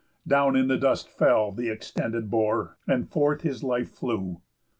Down in the dust fell the extended boar, And forth his life flew.